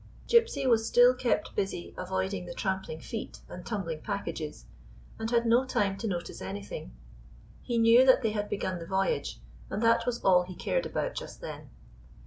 Gypsy was still kept busy avoiding the trampling feet and tumbling packages, and had 138 GYPSY'S VOYAGE no time to notice anything. He knew that they had begun the voyage, and that was all he cared about just then.